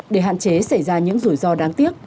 để hạn chế xảy ra những rủi ro đáng tiếc